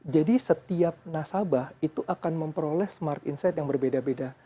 jadi setiap nasabah itu akan memperoleh smart insight yang berbeda beda